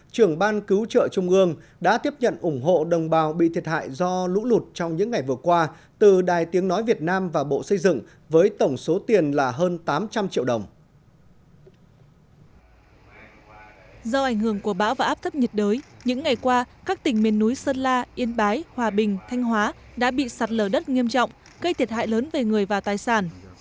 do ảnh hưởng của bão và áp thấp nhiệt đới những ngày qua các tỉnh miền núi sơn la yên bái hòa bình thanh hóa đã bị sạt lở đất nghiêm trọng gây thiệt hại lớn về người và tài sản